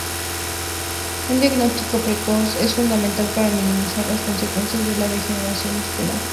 Un diagnóstico precoz es fundamental para minimizar las consecuencias de la degeneración macular.